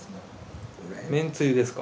めんつゆですか？